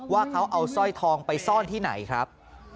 ว่าเขาเอาสร้อยทองไปซ่อนที่ไหนครับ